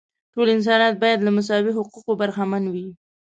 ټول انسانان باید له مساوي حقوقو برخمن وي.